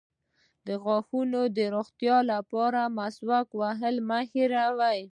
د غاښونو د روغتیا لپاره مسواک وهل مه هیروئ